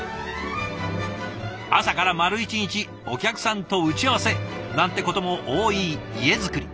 朝から丸一日お客さんと打ち合わせなんてことも多い家づくり。